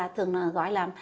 thường gọi là